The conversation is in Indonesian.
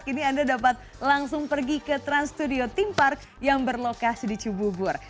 kini anda dapat langsung pergi ke trans studio theme park yang berlokasi di cibubur